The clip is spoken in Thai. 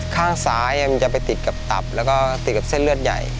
ข้างซ้ายมันจะไปติดกับตับแล้วก็ติดกับเส้นเลือดใหญ่